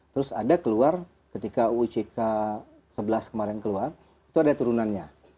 terus ada keluar ketika uuck sebelas kemarin keluar itu ada turunannya